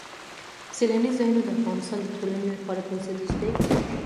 سیلاني ځایونه د افغانستان د ټولنې لپاره بنسټیز دي.